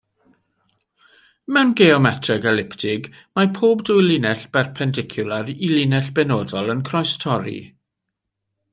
Mewn geometreg eliptig, mae pob dwy linell berpendicwlar i linell benodol yn croestorri.